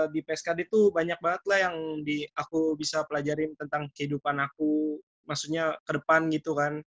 di pskd tuh banyak banget lah yang aku bisa pelajarin tentang kehidupan aku maksudnya ke depan gitu kan